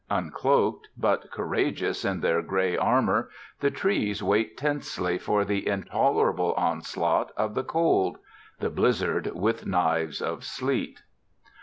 Uncloaked, but courageous in their gray armor, the trees wait tensely for the intolerable onslaught of the cold: the blizzard with knives of sleet.